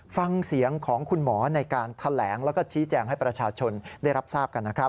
ฟังเสียงของคุณหมอในการแถลงแล้วก็ชี้แจงให้ประชาชนได้รับทราบกันนะครับ